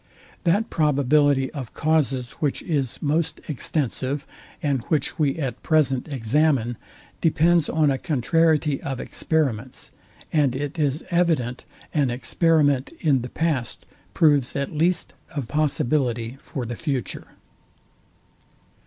That probability of causes, which is most extensive, and which we at present examine, depends on a contrariety of experiments: and it is evident an experiment in the past proves at least a possibility for the future.